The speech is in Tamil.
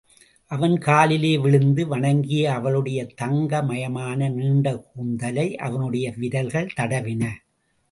அவன் காலிலே விழுந்து வணங்கிய அவளுடைய தங்கமயமான நீண்ட கூந்தலை அவனுடைய விரல்கள் தடவின.